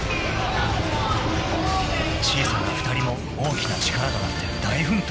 ［小さな２人も大きな力となって大奮闘］